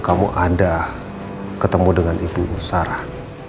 kamu ada ketemu dengan ibu sarah